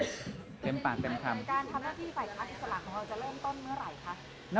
เนี่ยการทำหน้าที่ฝ่ายค้านอิสระของเราจะเริ่มต้นเมื่อไรคะ